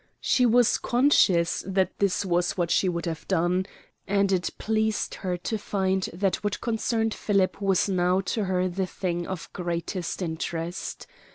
She was conscious that this was what she would have done, and it pleased her to find that what concerned Philip was now to her the thing of greatest interest.